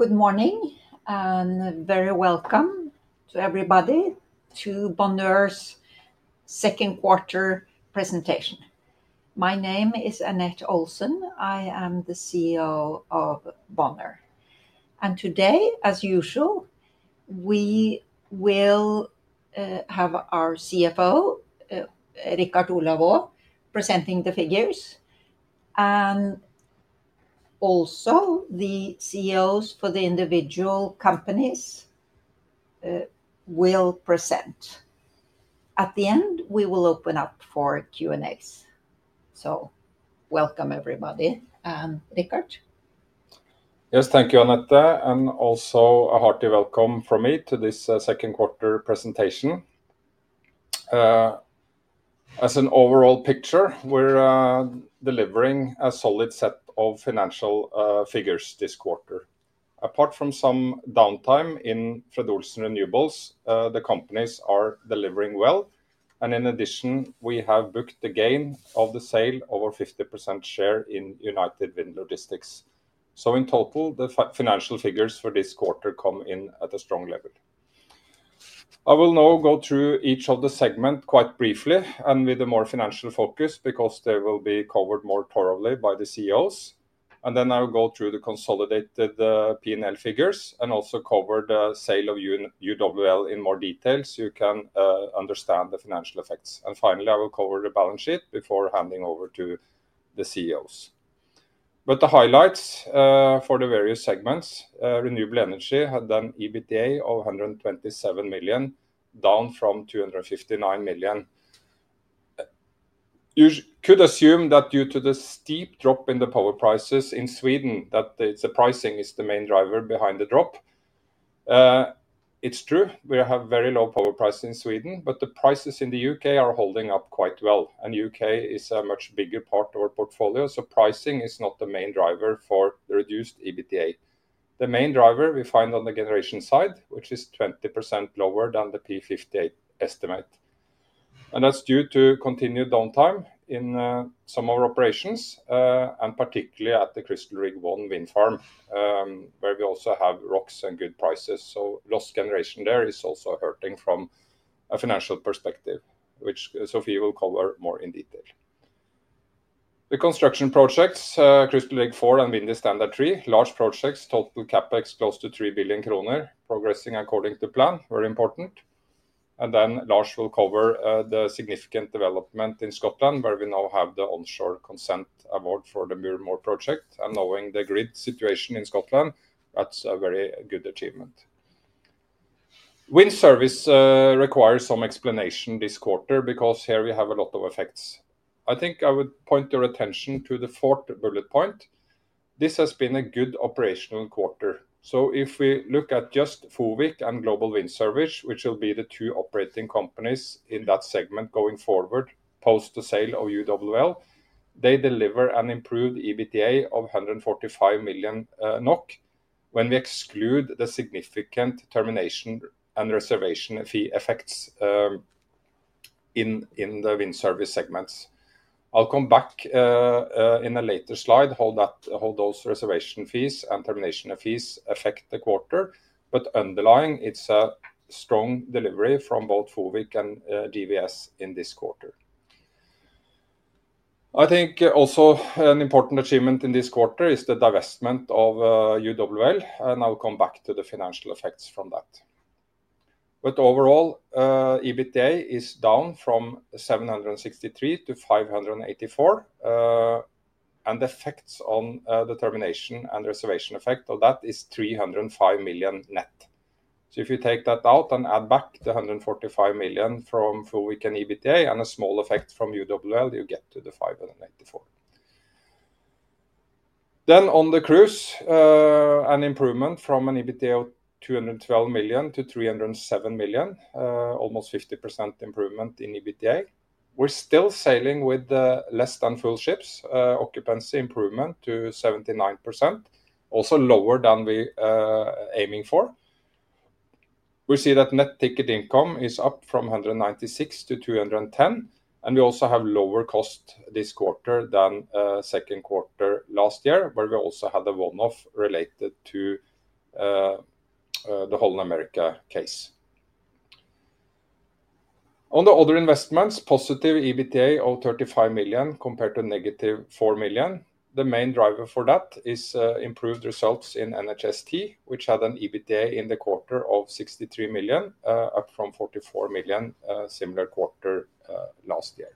Good morning and very welcome to everybody to Bonheur's second quarter presentation. My name is Anette Olsen. I am the CEO of Bonheur. Today, as usual, we will have our CFO, Richard Olav Aa, presenting the figures. Also, the CEOs for the individual companies will present. At the end, we will open up for Q&A. Welcome, everybody. Richard? Yes, thank you, Anette. Also, a hearty welcome from me to this second quarter presentation. As an overall picture, we're delivering a solid set of financial figures this quarter. Apart from some downtime in Fred. Olsen Renewables, the companies are delivering well. In addition, we have booked the gain of the sale of our 50% share in United Wind Logistics. In total, the financial figures for this quarter come in at a strong level. I will now go through each of the segments quite briefly and with a more financial focus because they will be covered more thoroughly by the CEOs. I will go through the consolidated P&L figures and also cover the sale of UWL in more detail so you can understand the financial effects. Finally, I will cover the balance sheet before handing over to the CEOs. The highlights for the various segments: renewable energy, then EBITDA of 127 million, down from 259 million. You could assume that due to the steep drop in the power prices in Sweden, that the pricing is the main driver behind the drop. It's true. We have very low power prices in Sweden, but the prices in the UK are holding up quite well. The UK is a much bigger part of our portfolio, so pricing is not the main driver for the reduced EBITDA. The main driver we find on the generation side, which is 20% lower than the P58 estimate. That's due to continued downtime in some of our operations, and particularly at the Crystal Rig 1 wind farm, where we also have rocks and good prices. Lost generation there is also hurting from a financial perspective, which Sophie will cover more in detail. The construction projects, Crystal Rig IV and Windy Standard III, large projects, total CapEx close to 3 billion kroner, progressing according to plan, very important. Lars will cover the significant development in Scotland, where we now have the Onshore Consent Award for the Murmur project. Knowing the grid situation in Scotland, that's a very good achievement. Wind Service requires some explanation this quarter because here we have a lot of effects. I think I would point your attention to the fourth bullet point. This has been a good operational quarter. If we look at just Fred. Olsen Windcarrier and Global Wind Service, which will be the two operating companies in that segment going forward, post the sale of United Wind Logistics, they deliver an improved EBITDA of 145 million NOK when we exclude the significant termination and reservation fee effects in the wind service segments. I'll come back in a later slide to how those reservation fees and termination fees affect the quarter. Underlying, it's a strong delivery from both Fred. Olsen Windcarrier and Global Wind Service in this quarter. I think also an important achievement in this quarter is the divestment of United Wind Logistics. I'll come back to the financial effects from that. Overall, EBITDA is down from 763 million to 584 million. The effect of the termination and reservation fees is 305 million net. If you take that out and add back the 145 million from Fred. Olsen Windcarrier in EBITDA and a small effect from United Wind Logistics, you get to the 584 million. On the cruise, an improvement from an EBITDA of 212 million to 307 million, almost 50% improvement in EBITDA. We're still sailing with less than full ships, occupancy improvement to 79%, also lower than we were aiming for. We see that net ticket income is up from 196 million to 210 million. We also have lower costs this quarter than the second quarter last year, where we also had a one-off related to the Holland America case. On the other investments, positive EBITDA of 35 million compared to negative 4 million. The main driver for that is improved results in NHST, which had an EBITDA in the quarter of 63 million, up from 44 million similar quarter last year.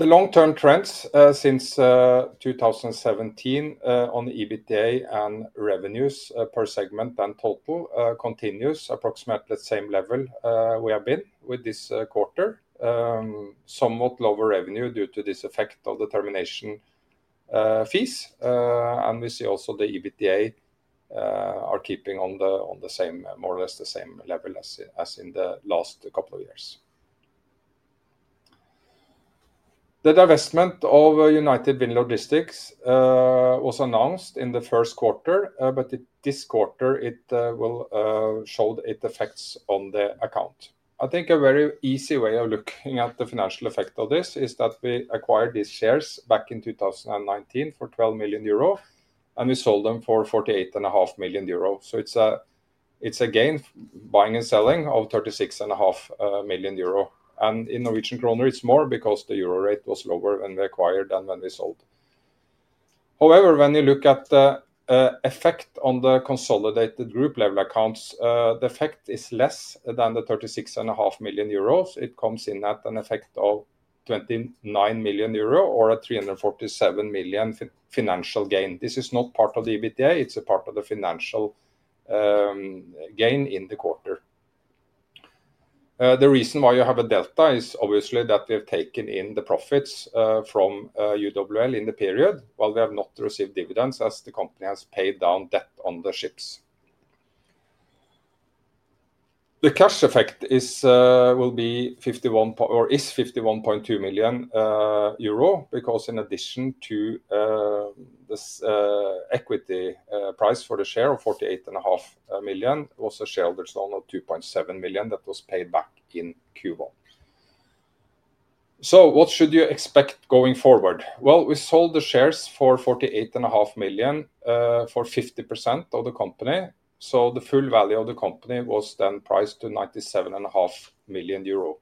The long-term trends since 2017 on EBITDA and revenues per segment and total continue approximately at the same level we have been with this quarter, somewhat lower revenue due to this effect of the termination fees. We see also the EBITDA are keeping on more or less the same level as in the last couple of years. The divestment of United Wind Logistics was announced in the first quarter, but this quarter, it showed its effects on the account. I think a very easy way of looking at the financial effect of this is that we acquired these shares back in 2019 for 12 million euro, and we sold them for 48.5 million euro. It's a gain buying and selling of 36.5 million euro. In Norwegian kroner, it's more because the euro rate was lower when we acquired than when we sold. However, when you look at the effect on the consolidated group level accounts, the effect is less than the €36.5 million. It comes in at an effect of 29 million euro or a 347 million financial gain. This is not part of the EBITDA. It's a part of the financial gain in the quarter. The reason why you have a delta is obviously that we have taken in the profits from UWL in the period, while we have not received dividends as the company has paid down debt on the ships. The cash effect will be 51.2 million euro because in addition to the equity price for the share of 48.5 million, it was a shareholder's loan of 2.7 million that was paid back in Q1. What should you expect going forward? We sold the shares for 48.5 million for 50% of the company. The full value of the company was then priced to 97.5 million euro.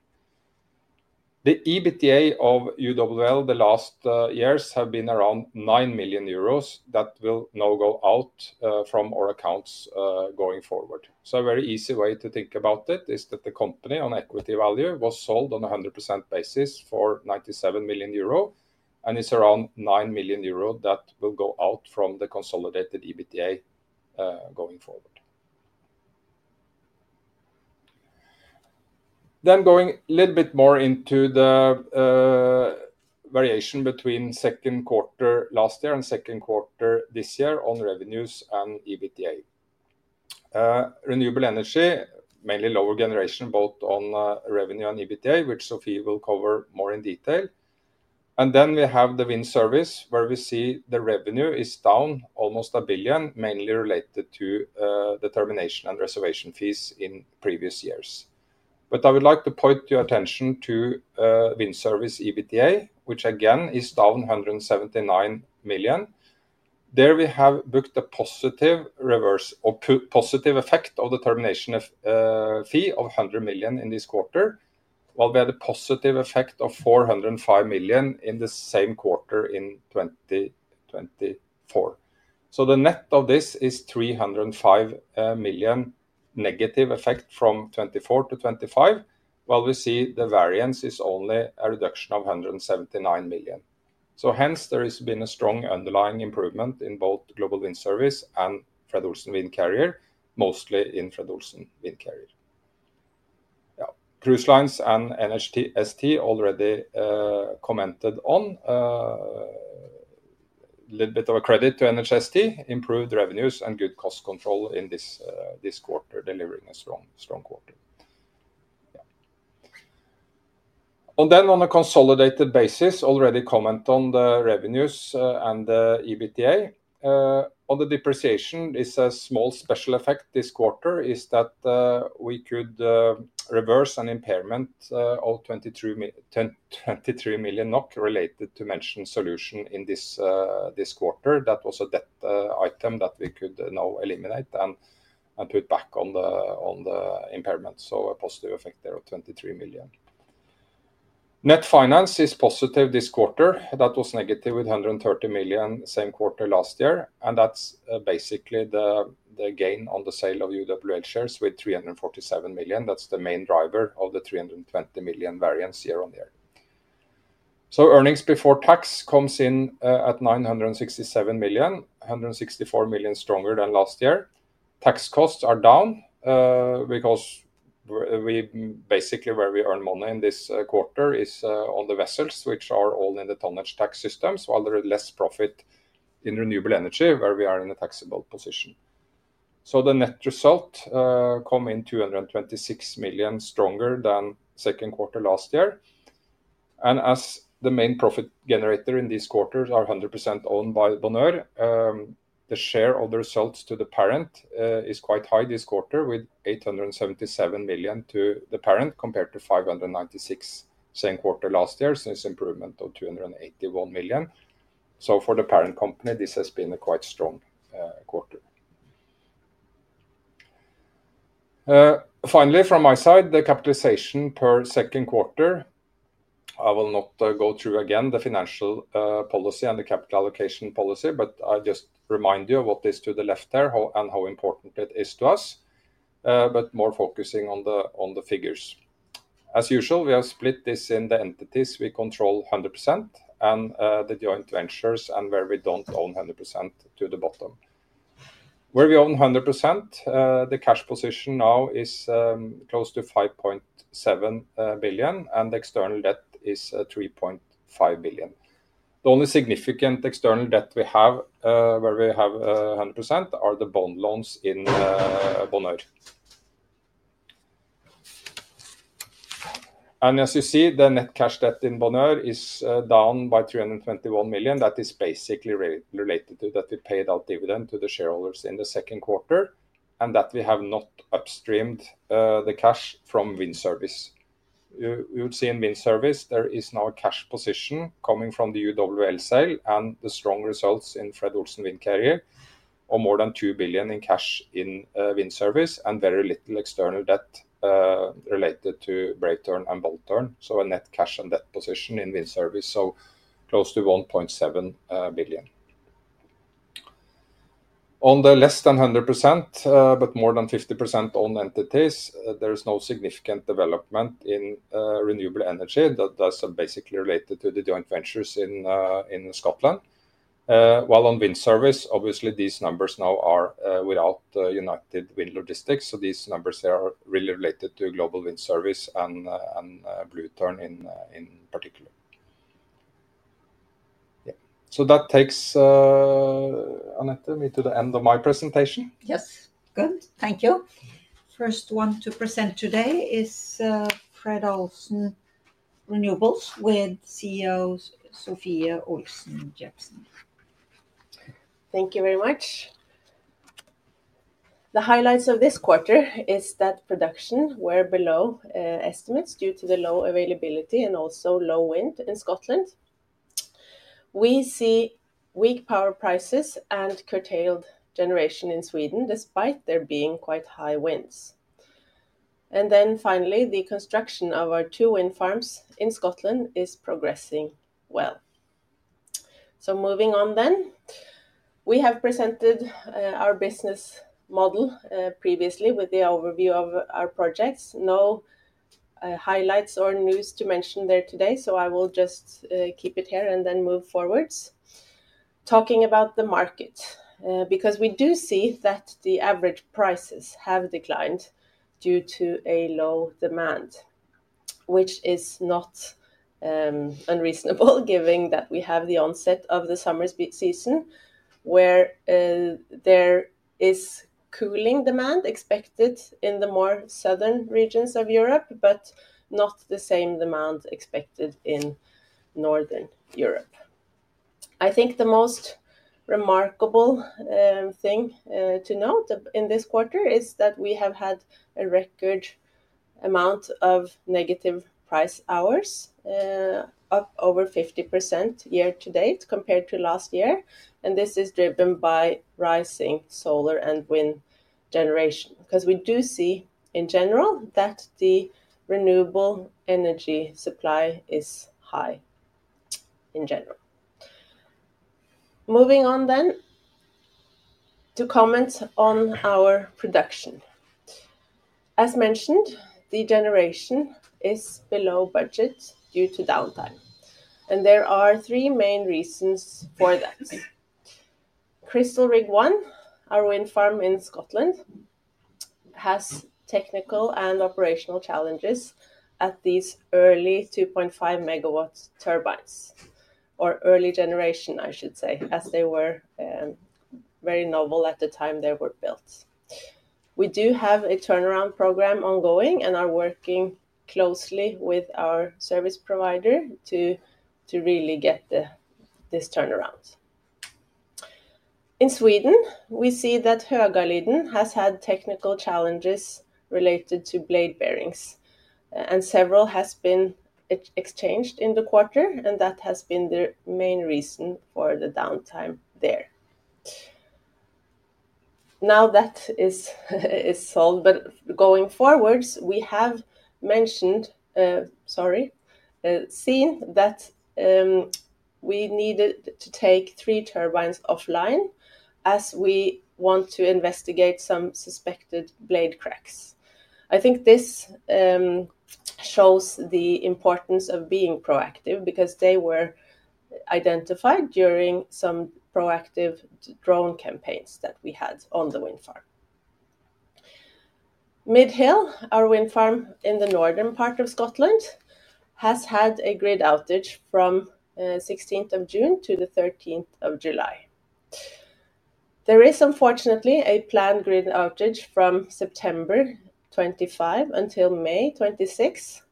The EBITDA of UWL the last years have been around 9 million euros that will now go out from our accounts going forward. A very easy way to think about it is that the company on equity value was sold on a 100% basis for 97 million euro, and it's around 9 million euro that will go out from the consolidated EBITDA going forward. Going a little bit more into the variation between the second quarter last year and the second quarter this year on revenues and EBITDA. Renewable Energy, mainly lower generation both on revenue and EBITDA, which Sophie will cover more in detail. We have the Wind Service where we see the revenue is down almost a billion, mainly related to the termination and reservation fees in previous years. I would like to point your attention to Wind Service EBITDA, which again is down €179 million. There we have booked a positive reverse or positive effect of the termination fee of 100 million in this quarter, while we had a positive effect of 405 million in the same quarter in 2024. The net of this is 305 million negative effect from 2024 to 2025, while we see the variance is only a reduction of 179 million. Hence, there has been a strong underlying improvement in both Global Wind Service and Fred. Olsen Windcarrier, mostly in Fred. Olsen Windcarrier. Cruise lines and NHST already commented on a little bit of a credit to NHST, improved revenues and good cost control in this quarter, delivering a strong quarter. On a consolidated basis, already commented on the revenues and the EBITDA. On the depreciation, a small special effect this quarter is that we could reverse an impairment of 23 million NOK related to mentioned solution in this quarter. That was a debt item that we could now eliminate and put back on the impairment. A positive effect there of 23 million. Net finance is positive this quarter. That was negative with 130 million same quarter last year. That's basically the gain on the sale of UWL shares with 347 million. That's the main driver of the 320 million variance year on year. Earnings before tax comes in at 967 million, 164 million stronger than last year. Tax costs are down because basically where we earn money in this quarter is on the vessels, which are all in the tonnage tax system, so there is less profit in renewable energy where we are in a taxable position. The net result comes in 226 million stronger than the second quarter last year. As the main profit generator in this quarter is 100% owned by Bonheur ASA, the share of the results to the parent is quite high this quarter with 877 million to the parent compared to 596 million same quarter last year, since the improvement of 281 million. For the parent company, this has been a quite strong quarter. Finally, from my side, the capitalization per second quarter, I will not go through again the financial policy and the capital allocation policy, but I just remind you of what is to the left there and how important it is to us, but more focusing on the figures. As usual, we have split this in the entities we control 100% and the joint ventures and where we don't own 100% to the bottom. Where we own 100%, the cash position now is close to 5.7 billion, and the external debt is 3.5 billion. The only significant external debt we have where we have 100% are the bond loans in Bonheur ASA. As you see, the net cash debt in Bonheur ASA is down by 321 million. That is basically related to that we paid out dividend to the shareholders in the second quarter and that we have not upstreamed the cash from Wind Service. You would see in Wind Service, there is now a cash position coming from the UWL sale and the strong results in Fred. Olsen Windcarrier of more than 2 billion in cash in Wind Service and very little external debt related to Breakthrough and Bolt-Turn. A net cash and debt position in Wind Service is close to 1.7 billion. On the less than 100% but more than 50% owned entities, there is no significant development in Renewable Energy. That's basically related to the joint ventures in Scotland. While on Wind Service, obviously, these numbers now are without United Wind Logistics. These numbers here are really related to Global Wind Service and Blueturn in particular. That takes Anette, me, to the end of my presentation. Yes, good. Thank you. First one to present today is Fred. Olsen Renewables with CEO Sophie Olsen Jeppesen. Thank you very much. The highlights of this quarter are that production were below estimates due to the low availability and also low wind in Scotland. We see weak power prices and curtailed generation in Sweden despite there being quite high winds. Finally, the construction of our two wind farms in Scotland is progressing well. Moving on, we have presented our business model previously with the overview of our projects. No highlights or news to mention there today, so I will just keep it here and then move forwards. Talking about the market, we do see that the average prices have declined due to a low demand, which is not unreasonable given that we have the onset of the summer season where there is cooling demand expected in the more southern regions of Europe, but not the same demand expected in northern Europe. I think the most remarkable thing to note in this quarter is that we have had a record amount of negative price hours up over 50% year to date compared to last year. This is driven by rising solar and wind generation because we do see in general that the renewable energy supply is high in general. Moving on to comment on our production. As mentioned, the generation is below budget due to downtime. There are three main reasons for that. Crystal Rig 1, our wind farm in Scotland, has technical and operational challenges at these early 2.5 megawatt turbines, or early generation, I should say, as they were very novel at the time they were built. We do have a turnaround program ongoing and are working closely with our service provider to really get this turnaround. In Sweden, we see that Högaliden has had technical challenges related to blade bearings, and several have been exchanged in the quarter, and that has been the main reason for the downtime there. Now that is solved, but going forward, we have seen that we needed to take three turbines offline as we want to investigate some suspected blade cracks. I think this shows the importance of being proactive because they were identified during some proactive drone campaigns that we had on the wind farm. Midhill, our wind farm in the northern part of Scotland, has had a grid outage from June 16 to July 13. There is, unfortunately, a planned grid outage from September 25 until May 26,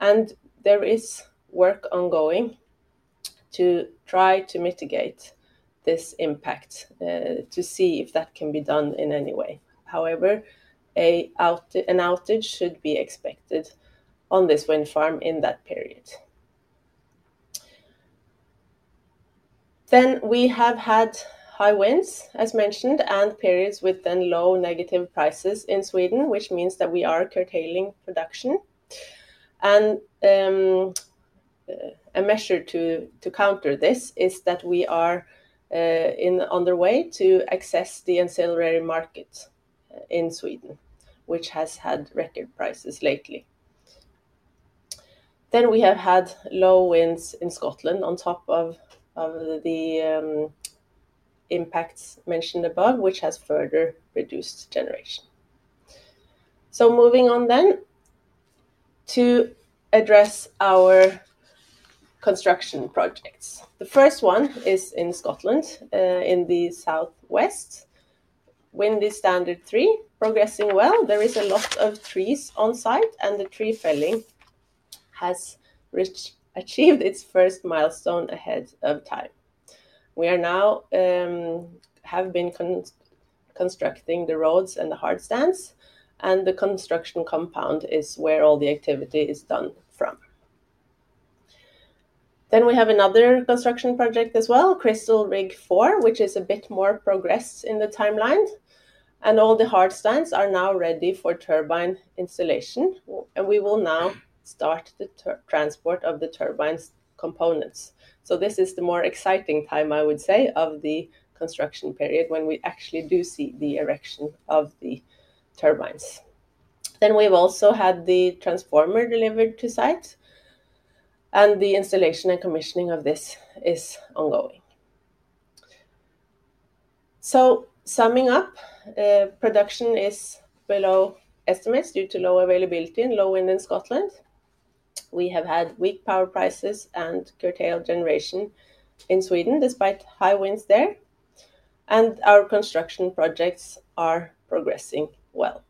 and there is work ongoing to try to mitigate this impact to see if that can be done in any way. However, an outage should be expected on this wind farm in that period. We have had high winds, as mentioned, and periods with low negative prices in Sweden, which means that we are curtailing production. A measure to counter this is that we are on the way to access the ancillary market in Sweden, which has had record prices lately. We have had low winds in Scotland on top of the impacts mentioned above, which has further reduced generation. Moving on to address our construction projects, the first one is in Scotland in the southwest. Windy Standard III is progressing well. There are a lot of trees on site, and the tree felling has achieved its first milestone ahead of time. We have been constructing the roads and the hard stands, and the construction compound is where all the activity is done from. We have another construction project as well, Crystal Rig IV, which is a bit more progressed in the timeline. All the hard stands are now ready for turbine installation, and we will now start the transport of the turbine's components. This is the more exciting time, I would say, of the construction period when we actually do see the erection of the turbines. We have also had the transformer delivered to site, and the installation and commissioning of this is ongoing. Summing up, production is below estimates due to low availability and low wind in Scotland. We have had weak power prices and curtailed generation in Sweden despite high winds there. Our construction projects are progressing well.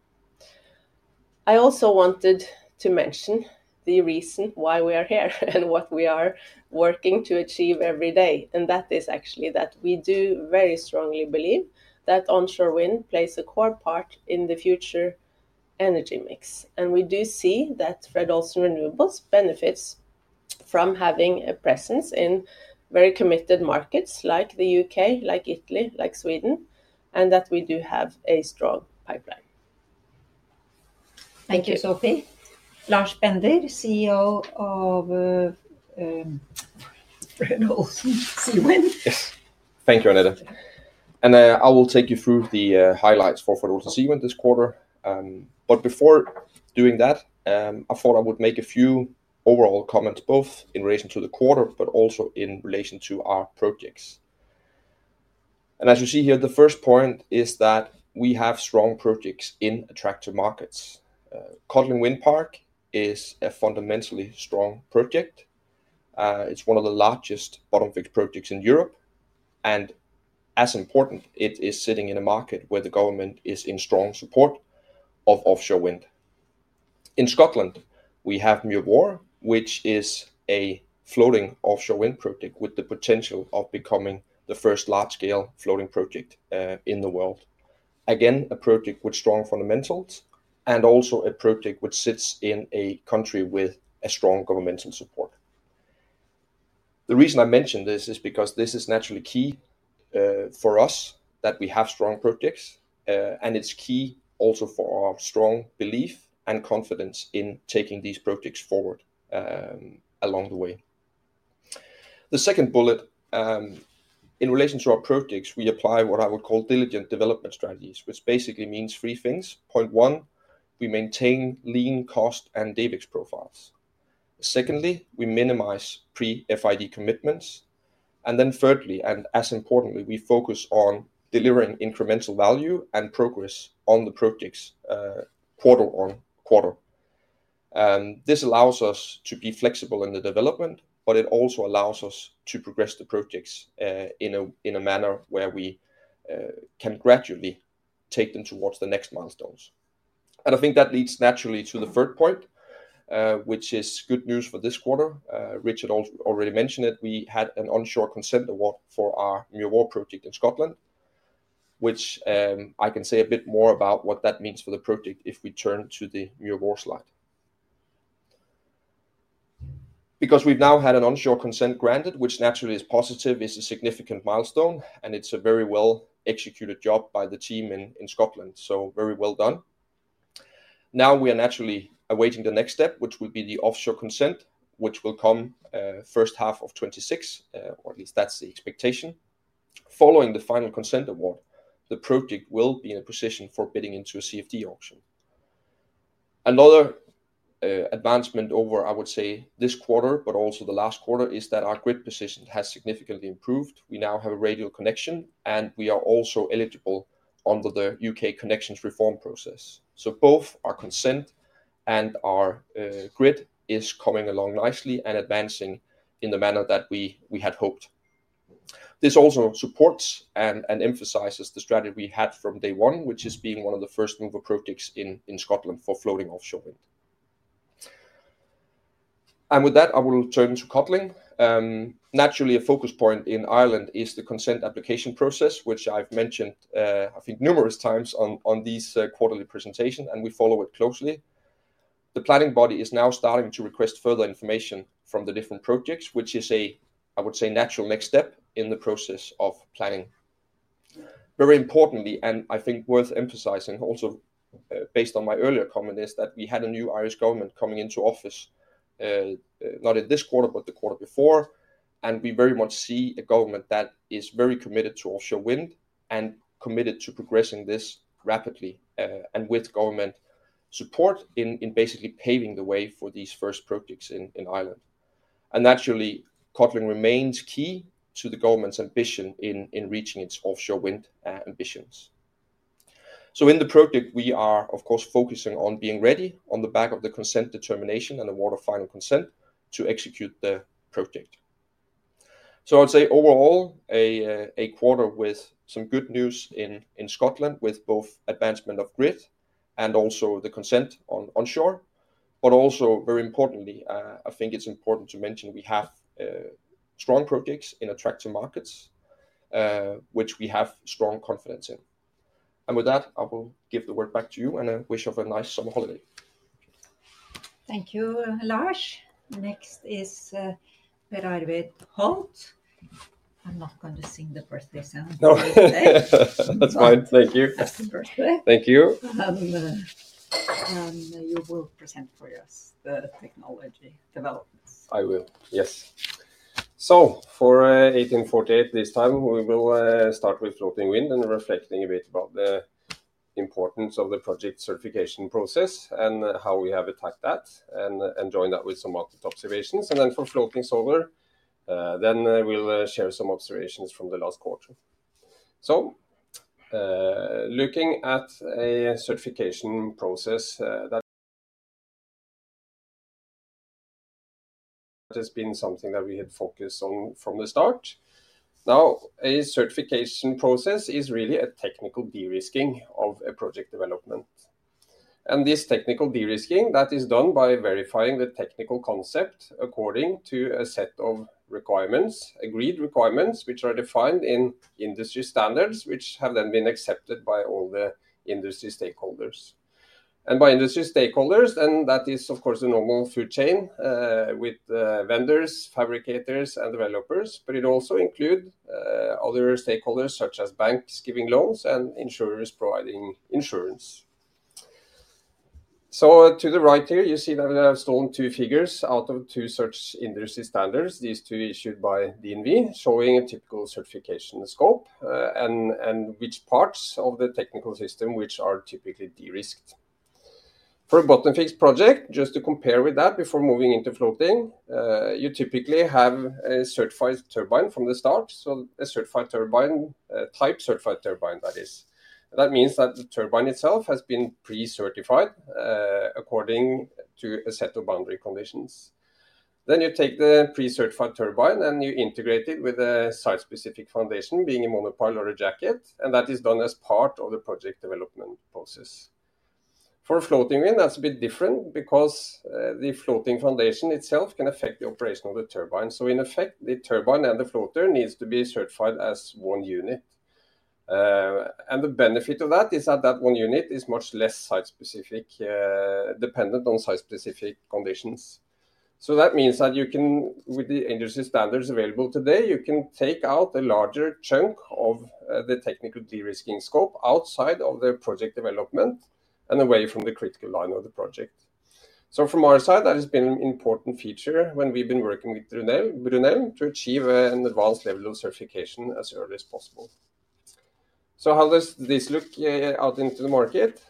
I also wanted to mention the reason why we are here and what we are working to achieve every day. That is actually that we do very strongly believe that onshore wind plays a core part in the future energy mix. We do see that Fred. Olsen Renewables benefits from having a presence in very committed markets like the UK, like Italy, like Sweden, and that we do have a strong pipeline. Thank you, Sophie. Lars Bender, CEO of Fred. Olsen Seawind. Yes. Thank you, Anette. I will take you through the highlights for Fred. Olsen Seawind this quarter. Before doing that, I thought I would make a few overall comments both in relation to the quarter and also in relation to our projects. As you see here, the first point is that we have strong projects in attractive markets. Codling Wind Park is a fundamentally strong project. It's one of the largest bottom fixed projects in Europe. As important, it is sitting in a market where the government is in strong support of offshore wind. In Scotland, we have Murmur, which is a floating offshore wind project with the potential of becoming the first large-scale floating project in the world. Again, a project with strong fundamentals and also a project which sits in a country with strong governmental support. The reason I mention this is because this is naturally key for us that we have strong projects, and it's key also for our strong belief and confidence in taking these projects forward along the way. The second bullet, in relation to our projects, we apply what I would call diligent development strategies, which basically means three things. Point one, we maintain lean cost and DBEX profiles. Secondly, we minimize pre-FID commitments. Thirdly, and as importantly, we focus on delivering incremental value and progress on the projects quarter on quarter. This allows us to be flexible in the development, but it also allows us to progress the projects in a manner where we can gradually take them towards the next milestones. I think that leads naturally to the third point, which is good news for this quarter. Richard already mentioned it. We had an Onshore Consent Award for our Murmur project in Scotland, which I can say a bit more about what that means for the project if we turn to the Murmur slide. Because we've now had an Onshore Consent granted, which naturally is positive, is a significant milestone, and it's a very well-executed job by the team in Scotland, so very well done. Now we are naturally awaiting the next step, which will be the Offshore Consent, which will come first half of 2026, or at least that's the expectation. Following the Final Consent Award, the project will be in a position for bidding into a CFD auction. Another advancement over, I would say, this quarter, but also the last quarter, is that our grid position has significantly improved. We now have a radial connection, and we are also eligible under the UK connections reform process. Both our consent and our grid are coming along nicely and advancing in the manner that we had hoped. This also supports and emphasizes the strategy we had from day one, which is being one of the first mover projects in Scotland for floating offshore wind. With that, I will turn to Codling. Naturally, a focus point in Ireland is the consent application process, which I've mentioned, I think, numerous times on these quarterly presentations, and we follow it closely. The planning body is now starting to request further information from the different projects, which is a, I would say, natural next step in the process of planning. Very importantly, and I think worth emphasizing also based on my earlier comment, is that we had a new Irish government coming into office, not in this quarter, but the quarter before. We very much see a government that is very committed to offshore wind and committed to progressing this rapidly and with government support in basically paving the way for these first projects in Ireland. Naturally, Codling remains key to the government's ambition in reaching its offshore wind ambitions. In the project, we are, of course, focusing on being ready on the back of the consent determination and the award of final consent to execute the project. I'd say overall a quarter with some good news in Scotland with both advancement of grid and also the consent onshore. Very importantly, I think it's important to mention we have strong projects in attractive markets, which we have strong confidence in. With that, I will give the word back to you and wish you a nice summer holiday. Thank you, Lars. Next is Per Arvid Holth. I'm not going to sing the birthday song. That's fine. Thank you. Happy birthday. Thank you. You will present for us the technology developments. I will, yes. For Fred. Olsen 1848, this time, we will start with floating wind and reflecting a bit about the importance of the project certification process and how we have attacked that and join that with some market observations. For floating solar, we'll share some observations from the last quarter. Looking at a certification process, that has been something that we had focused on from the start. A certification process is really a technical de-risking of a project development. This technical de-risking is done by verifying the technical concept according to a set of requirements, agreed requirements, which are defined in industry standards, which have then been accepted by all the industry stakeholders. By industry stakeholders, that is, of course, the normal food chain with vendors, fabricators, and developers. It also includes other stakeholders such as banks giving loans and insurers providing insurance. To the right here, you see that we have stolen two figures out of two such industry standards, these two issued by DNV, showing a typical certification scope and which parts of the technical system are typically de-risked. For a bottom fixed project, just to compare with that before moving into floating, you typically have a certified turbine from the start, so a certified turbine, a type certified turbine, that is. That means that the turbine itself has been pre-certified according to a set of boundary conditions. You take the pre-certified turbine and you integrate it with a site-specific foundation, being a monopile or a jacket, and that is done as part of the project development process. For floating wind, that's a bit different because the floating foundation itself can affect the operation of the turbine. In effect, the turbine and the floater need to be certified as one unit. The benefit of that is that one unit is much less site-specific, dependent on site-specific conditions. That means that you can, with the industry standards available today, take out a larger chunk of the technical de-risking scope outside of the project development and away from the critical line of the project. From our side, that has been an important feature when we've been working with Brunel to achieve an advanced level of certification as early as possible. How does this look out into the market?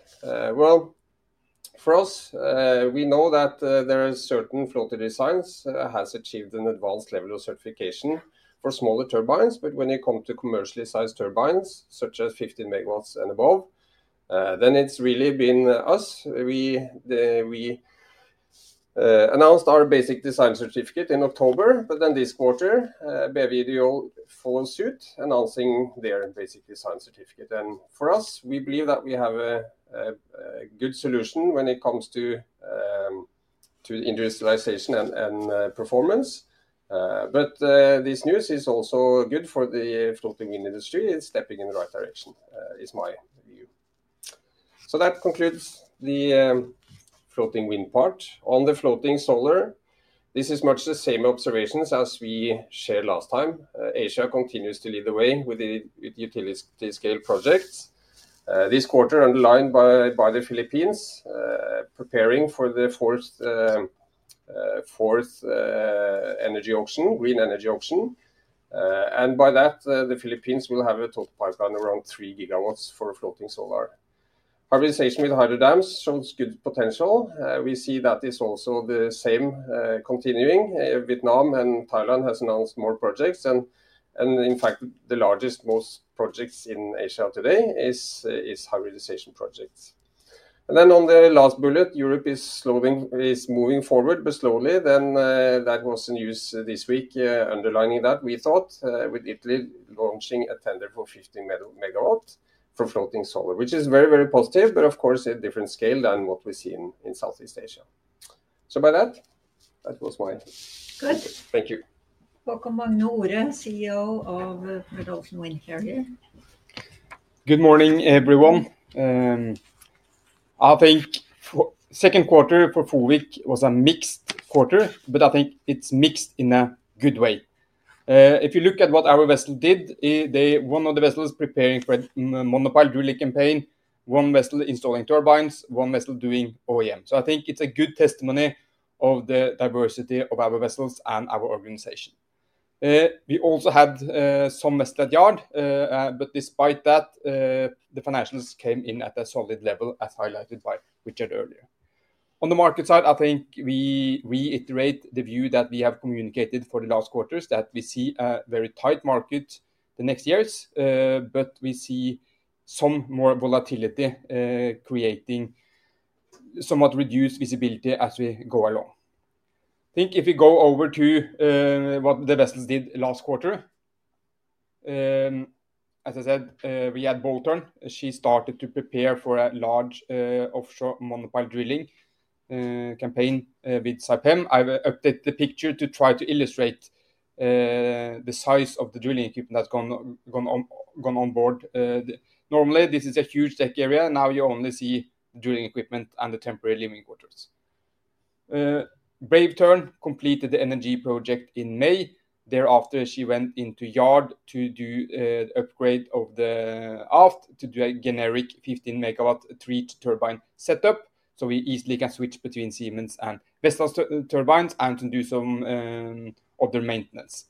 For us, we know that there are certain floating designs that have achieved an advanced level of certification for smaller turbines. When you come to commercially sized turbines, such as 15 MW and above, then it's really been us. We announced our basic design certificate in October, but then this quarter, Bavidio followed suit, announcing their basic design certificate. For us, we believe that we have a good solution when it comes to industrialization and performance. This news is also good for the floating wind industry. It's stepping in the right direction, is my view. That concludes the floating wind part. On the floating solar, this is much the same observations as we shared last time. Asia continues to lead the way with utility scale projects. This quarter is underlined by the Philippines, preparing for the fourth energy auction, green energy auction. By that, the Philippines will have a total pipeline around 3 GW for floating solar. Harvest station with hydro dams shows good potential. We see that is also the same continuing. Vietnam and Thailand have announced more projects. In fact, the largest, most projects in Asia today are harvest station projects. On the last bullet, Europe is moving forward, but slowly. There was the news this week, underlining that we thought with Italy launching a tender for 15 MW for floating solar, which is very, very positive, but of course, at a different scale than what we see in Southeast Asia. By that, that was my good. Thank you. Welcome, Haakon Magne Ore, CEO of Fred. Olsen Windcarrier. Good morning, everyone. I think the second quarter for FOWIC was a mixed quarter, but I think it's mixed in a good way. If you look at what our vessel did, one of the vessels preparing for a monopile drilling campaign, one vessel installing turbines, one vessel doing OEM. I think it's a good testimony of the diversity of our vessels and our organization. We also had some messes at yard. Despite that, the financials came in at a solid level, as highlighted by Richard earlier. On the market side, I think we reiterate the view that we have communicated for the last quarters, that we see a very tight market the next years, but we see some more volatility creating somewhat reduced visibility as we go along. If we go over to what the vessels did last quarter, as I said, we had Bold Tern. She started to prepare for a large offshore monopile drilling campaign with Saipem. I've updated the picture to try to illustrate the size of the drilling equipment that's gone on board. Normally, this is a huge deck area. Now you only see the drilling equipment and the temporary living quarters. Brave Tern completed the energy project in May. Thereafter, she went into yard to do the upgrade of the aft to do a generic 15 MW turbine setup. We easily can switch between Siemens and Vestas turbines and do some other maintenance.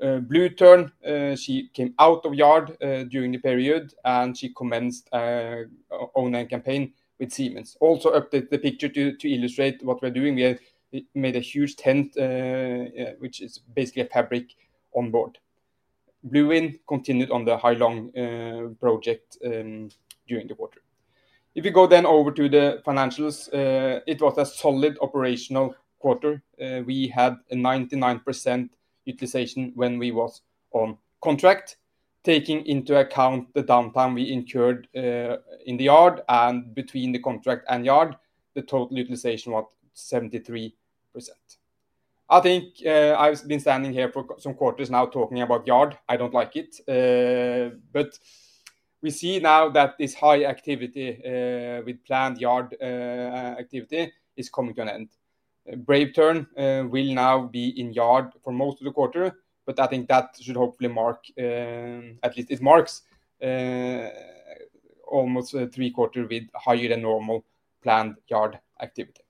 Blue Tern, she came out of yard during the period, and she commenced an online campaign with Siemens. Also updated the picture to illustrate what we're doing. We made a huge tent, which is basically a fabric on board. Blue Wind continued on the Högaliden project during the quarter. If we go then over to the financials, it was a solid operational quarter. We had a 99% utilization when we were on contract, taking into account the downtime we incurred in the yard and between the contract and yard. The total utilization was 73%. I think I've been standing here for some quarters now talking about yard. I don't like it. We see now that this high activity with planned yard activity is coming to an end. Brave Tern will now be in yard for most of the quarter, but I think that should hopefully mark at least it marks almost three quarters with higher than normal planned yard activity.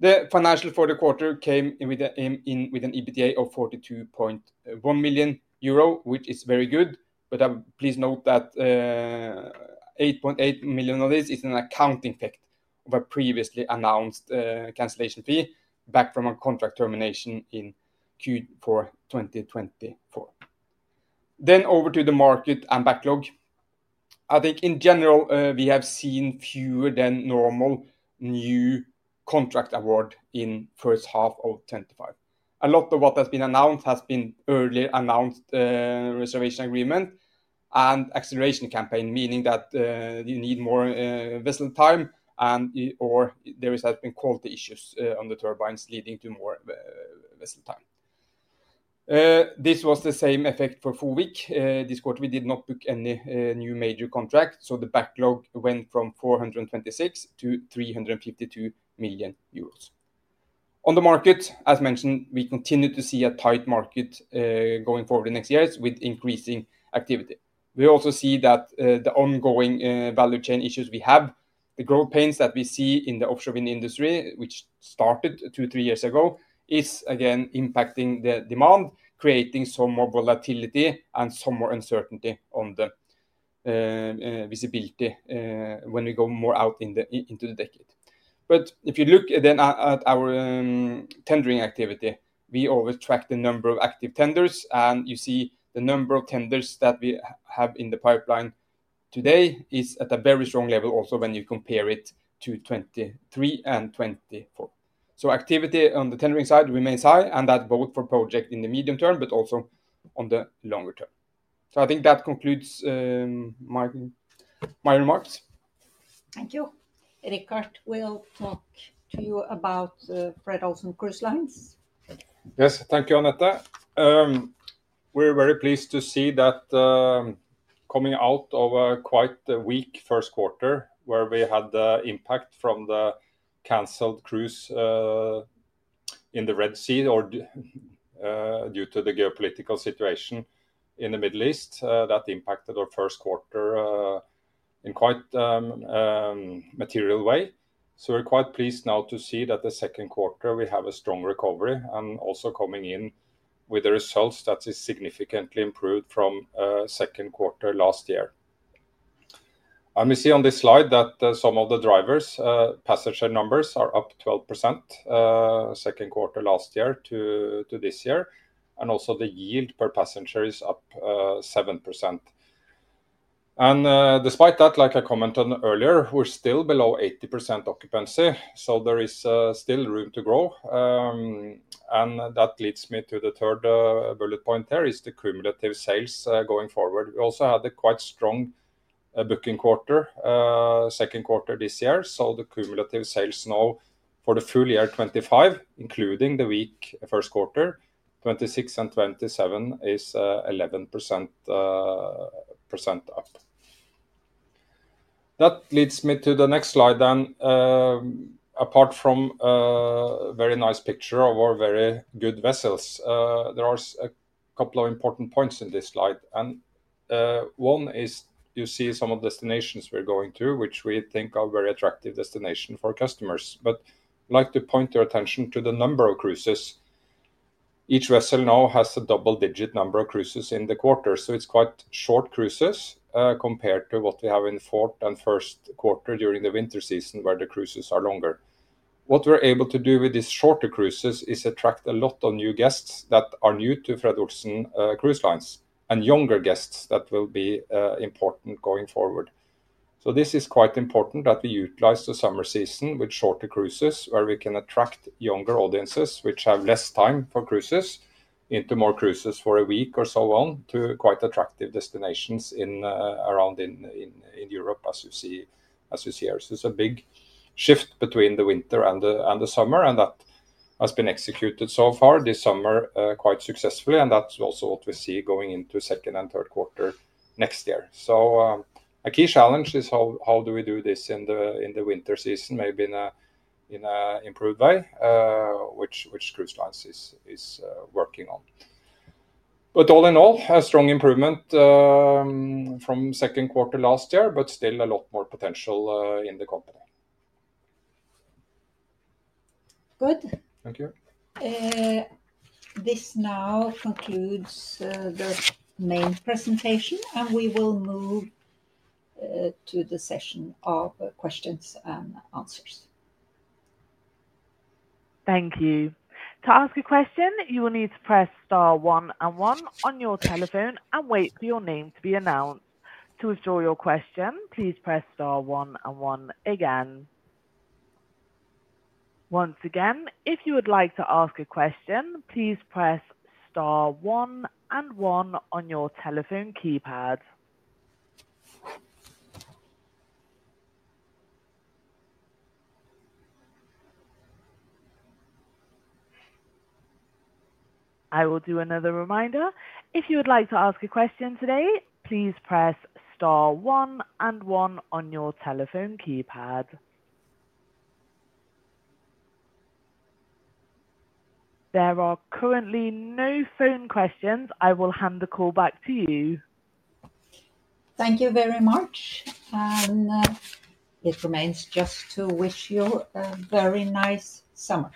The financial for the quarter came in with an EBITDA of 42.1 million euro, which is very good. Please note that 8.8 million of this is an accounting fact of a previously announced cancellation fee back from a contract termination in Q4 2024. Over to the market and backlog. I think in general, we have seen fewer than normal new contract awards in the first half of 2025. A lot of what has been announced has been earlier announced reservation agreement and acceleration campaign, meaning that you need more vessel time or there have been quality issues on the turbines leading to more vessel time. This was the same effect for FOWIC. This quarter, we did not book any new major contracts. The backlog went from 426 million to 352 million euros. On the market, as mentioned, we continue to see a tight market going forward in the next years with increasing activity. We also see that the ongoing value chain issues we have, the growth pains that we see in the offshore wind industry, which started two or three years ago, are again impacting the demand, creating some more volatility and some more uncertainty on the visibility when we go more out into the decade. If you look at our tendering activity, we always track the number of active tenders. You see the number of tenders that we have in the pipeline today is at a very strong level also when you compare it to 2023 and 2024. Activity on the tendering side remains high, and that's both for projects in the medium term, but also on the longer term. I think that concludes my remarks. Thank you. Richard, we'll talk to you about Fred. Olsen Cruise Lines. Yes, thank you, Anette. We're very pleased to see that coming out of a quite weak first quarter where we had the impact from the canceled cruise in the Red Sea due to the geopolitical situation in the Middle East, that impacted our first quarter in quite a material way. We're quite pleased now to see that the second quarter we have a strong recovery and also coming in with the results that are significantly improved from the second quarter last year. We see on this slide that some of the drivers' passenger numbers are up 12% second quarter last year to this year. Also, the yield per passenger is up 7%. Despite that, like I commented earlier, we're still below 80% occupancy. There is still room to grow. That leads me to the third bullet point there is the cumulative sales going forward. We also had a quite strong booking quarter second quarter this year. The cumulative sales now for the full year 2025, including the weak first quarter, 2026 and 2027 is 11% up. That leads me to the next slide then. Apart from a very nice picture of our very good vessels, there are a couple of important points in this slide. One is you see some of the destinations we're going to, which we think are very attractive destinations for customers. I'd like to point your attention to the number of cruises. Each vessel now has a double-digit number of cruises in the quarter. It's quite short cruises compared to what we have in the fourth and first quarter during the winter season where the cruises are longer. What we're able to do with these shorter cruises is attract a lot of new guests that are new to Fred. Olsen Cruise Lines and younger guests that will be important going forward. This is quite important that we utilize the summer season with shorter cruises where we can attract younger audiences which have less time for cruises into more cruises for a week or so on to quite attractive destinations around in Europe, as you see here. It's a big shift between the winter and the summer. That has been executed so far this summer quite successfully. That's also what we see going into the second and third quarter next year. A key challenge is how do we do this in the winter season, maybe in an improved way, which Cruise Lines is working on. All in all, a strong improvement from the second quarter last year, but still a lot more potential in the company. Good. Thank you. This now concludes the main presentation. We will move to the session of questions and answers. Thank you. To ask a question, you will need to press star one and one on your telephone and wait for your name to be announced. To withdraw your question, please press star one and one again. Once again, if you would like to ask a question, please press star one and one on your telephone keypad. I will do another reminder. If you would like to ask a question today, please press star one and one on your telephone keypad. There are currently no phone questions. I will hand the call back to you. Thank you very much. It remains just to wish you a very nice summer.